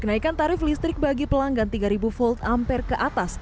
kenaikan tarif listrik bagi pelanggan tiga v ampere ke atas